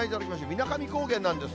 水上高原なんです。